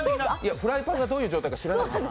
フライパンがどういう感じか分からないから。